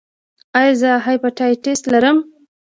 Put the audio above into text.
ایا زه هیپاټایټس لرم؟